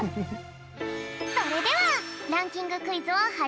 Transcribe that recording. それではランキングクイズをはじめるぴょん。